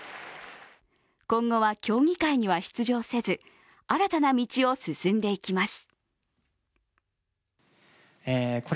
今後は競技会には出場せず新たな道を進んでいきます。